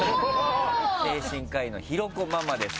精神科医の広子ママです。